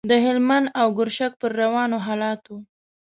د هلمند او ګرشک پر روانو حالاتو.